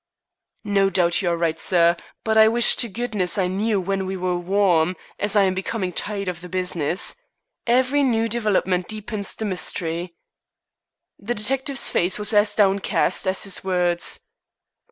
"No doubt you are right, sir, but I wish to goodness I knew when we were 'warm,' as I am becoming tired of the business. Every new development deepens the mystery." The detective's face was as downcast as his words.